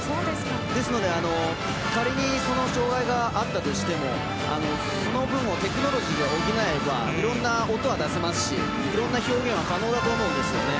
ですので、仮に障がいがあったとしてもその分をテクノロジーで補えばいろんな音は出せますしいろんな表現は可能だと思うんですね。